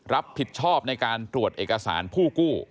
รับผิดชอบในการตรวจเอกสารผู้กู้